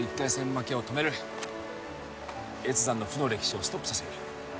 負けを止める越山の負の歴史をストップさせる